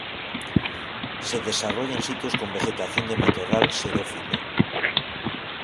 Se desarrolla en sitios con vegetación de matorral xerófilo.